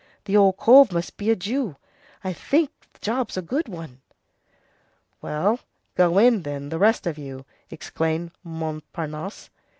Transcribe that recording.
The old cove must be a Jew. I think the job's a good one." "Well, go in, then, the rest of you," exclaimed Montparnasse.